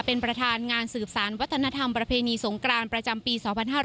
เป็นประธานงานสืบสารวัฒนธรรมประเพณีสงกรานประจำปี๒๕๕๙